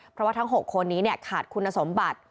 เพราะว่าทั้ง๖คนนี้ขาดคุณสมบัติ